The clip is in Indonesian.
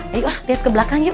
ayo lah liat ke belakang yuk